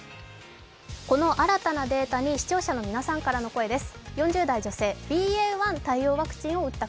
この新たなデータに視聴者の皆さんからの声です。